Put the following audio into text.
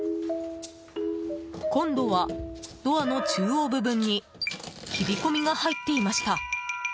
今度はドアの中央部分に切り込みが入っていました。